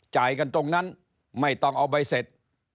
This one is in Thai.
จ่ายกันตรงนั้นไม่ต้องเอาใบเสร็จ